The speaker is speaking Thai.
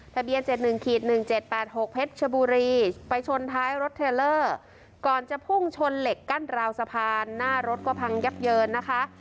ทะเบียน๗๑๑๗๘๖เพชรชบุรีไปชนท้ายรถเทลเลอร์ก่อนจะพุ่งชนเหล็กกั้นราวสะพานหน้ารถก็พังยับเยินนะคะ